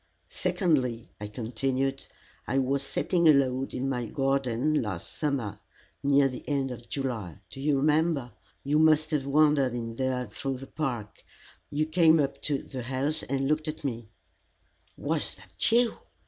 "Secondly," I continued, "I was sitting alone in my garden last summer near the end of July do you remember? You must have wandered in there through the park; you came up to the house and looked at me " "Was that you?"